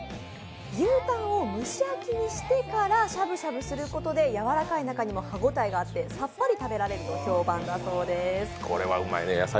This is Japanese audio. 牛タンを蒸し焼きにしてからしゃぶしゃぶすることでやわらかい中にも歯応えがあってさっぱり食べられると評判だそうです。